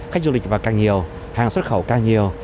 khách du lịch và càng nhiều hàng xuất khẩu càng nhiều